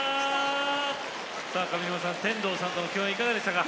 さあ上沼さん天童さんとの共演いかがでしたか？